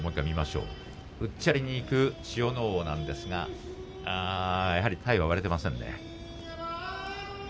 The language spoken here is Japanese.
うっちゃりにいく千代ノ皇なんですが体は割れていませんね。